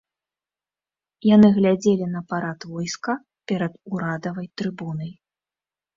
Яны глядзелі на парад войска перад урадавай трыбунай.